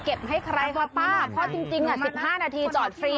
ให้ใครคะป้าเพราะจริง๑๕นาทีจอดฟรี